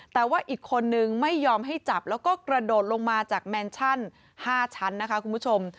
แต่ว่าอีกคนนึงไม่ยอมให้จับแล้วก็กระโดดลงมาจากแมนชั่น๕ชั้นนะคะคุณผู้ชม